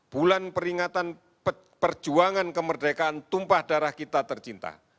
bulan peringatan perjuangan kemerdekaan tumpah darah kita tercinta